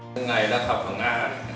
từ ngày đã học ở nga